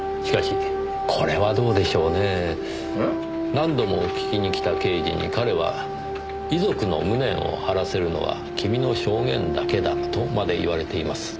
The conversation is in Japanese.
何度も聞きに来た刑事に彼は「遺族の無念を晴らせるのは君の証言だけだ」とまで言われています。